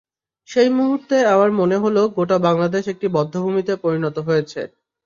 সেই মুহূর্তে আমার মনে হলো, গোটা বাংলাদেশ একটি বধ্যভূমিতে পরিণত হয়েছে।